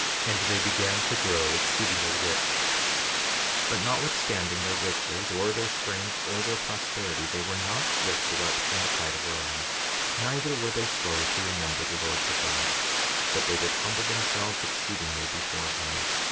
And they began to grow exceedingly rich. 62:49 But notwithstanding their riches, or their strength, or their prosperity, they were not lifted up in the pride of their eyes; neither were they slow to remember the Lord their God; but they did humble themselves exceedingly before him.